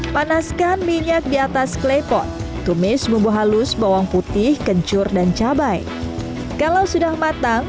panaskan minyak di atas klepot tumis bumbu halus bawang putih kencur dan cabai kalau sudah matang